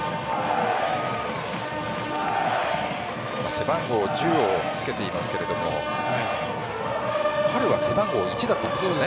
背番号１０をつけていますけども春は背番号１だったんですよね。